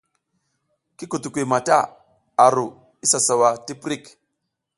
Ki kutukuy mata a ru isa sawa ti prik.